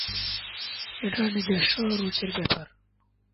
এটা নিজস্ব রুচির ব্যাপার।